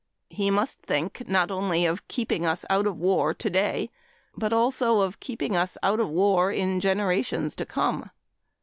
He must think not only of keeping us out of war today, but also of keeping us out of war in generations to come.